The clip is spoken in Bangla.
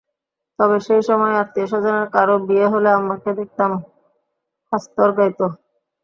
তবে সেই সময়ে আত্মীয়স্বজনের কারও বিয়ে হলে আম্মাকে দেখতাম হাস্তর গাইতে।